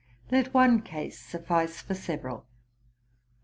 Let one case suffice for several.